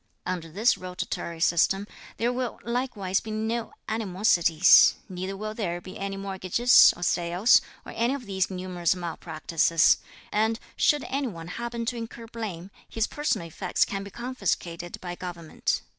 Under this rotatory system, there will likewise be no animosities; neither will there be any mortgages, or sales, or any of these numerous malpractices; and should any one happen to incur blame, his personal effects can be confiscated by Government.